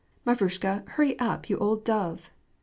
Mavrushka, hurry up, you old dove."